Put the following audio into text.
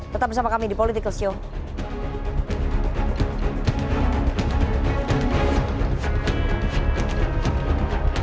tetap bersama kami di politikalshow